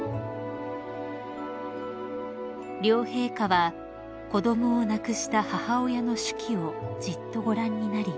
［両陛下は子供を亡くした母親の手記をじっとご覧になり］